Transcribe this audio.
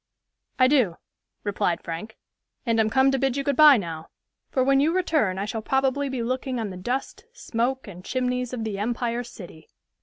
"I do," replied Frank, "and am come to bid you good by now; for when you return I shall probably be looking on the dust, smoke and chimneys of the Empire City."